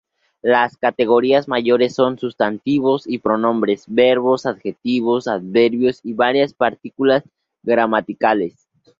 Las categorías mayores son sustantivos y pronombres, verbos, adjetivos, adverbios y varias partículas gramaticales.